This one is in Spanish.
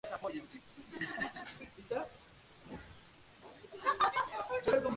En este ámbito publicó dos monografías: "As lapas da revolución.